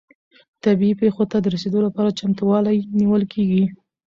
طبیعي پیښو ته د رسیدو لپاره چمتووالی نیول کیږي.